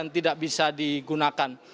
tidak bisa digunakan